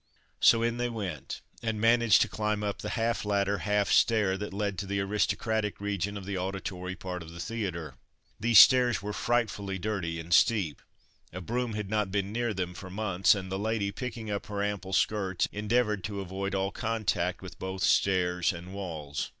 So in they went and managed to climb up the half ladder, half stair, that led to the "aristocratic" region of the auditory part of the theatre. These stairs were frightfully dirty and steep. A broom had not been near them for months, and the lady, picking up her ample skirts, endeavoured to avoid all contact with both stairs and walls.